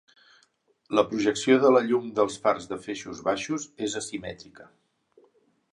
La projecció de la llum dels fars de feixos baixos és asimètrica.